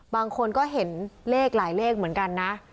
บางคนก็เห็นเลขหลายเลขเหมือนกันนะ